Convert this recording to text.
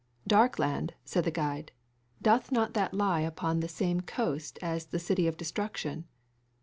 "Dark land," said the guide; "doth not that lie upon the same coast as the City of Destruction?"